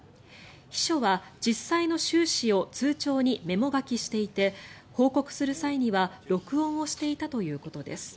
秘書は実際の収支を通帳にメモ書きしていて報告する際には録音をしていたということです。